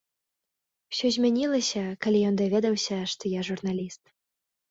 Усё змянілася, калі ён даведаўся, што я журналіст.